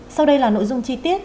sau đây là nội dung chi tiết